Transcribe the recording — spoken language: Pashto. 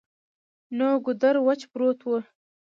نو ګودر وچ پروت وو ـ